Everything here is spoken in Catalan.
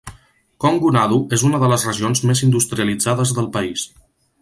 Kongu Nadu és una de les regions més industrialitzades del país.